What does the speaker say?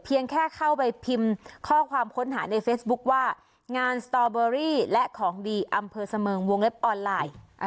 แค่เข้าไปพิมพ์ข้อความค้นหาในเฟซบุ๊คว่างานสตอเบอรี่และของดีอำเภอเสมิงวงเล็บออนไลน์